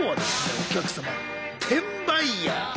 お客様転売ヤー。